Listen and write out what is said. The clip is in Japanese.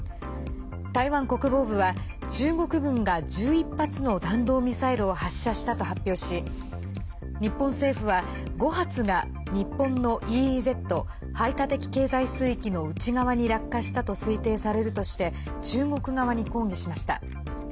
台湾国防部は中国軍が１１発の弾道ミサイルを発射したと発表し日本政府は５発が日本のＥＥＺ＝排他的経済水域の内側に落下したと推定されるとして中国側に抗議しました。